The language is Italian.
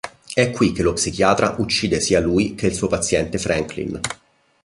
È qui che lo psichiatra uccide sia lui che il suo paziente Franklin.